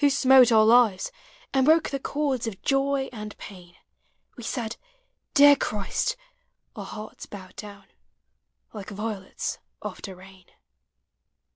smote our lives, And woke the chords of joy and pain, We said, Dear Christ! — our hearts bowed down Like violets after rain.